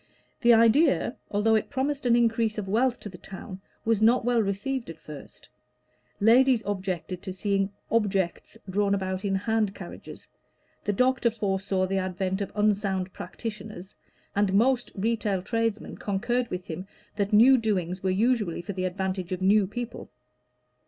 The idea, although it promised an increase of wealth to the town, was not well received at first; ladies objected to seeing "objects" drawn about in hand carriages, the doctor foresaw the advent of unsound practitioners, and most retail tradesmen concurred with him that new doings were usually for the advantage of new people.